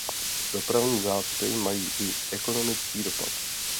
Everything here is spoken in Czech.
Dopravní zácpy mají i ekonomický dopad.